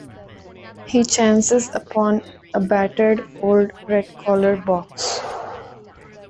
He chances upon a battered old red collar box.